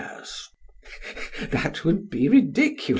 PHAEDRUS: That would be ridiculous.